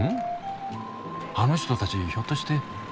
あの人たちひょっとして。